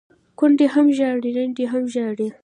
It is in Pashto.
ـ کونډې هم ژاړي ړنډې هم ژاړي،